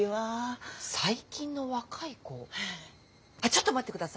あちょっと待ってくださいね。